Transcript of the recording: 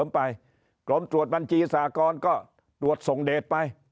ไปกรมตรวจบัญชีสากรก็ตรวจส่งเดทไป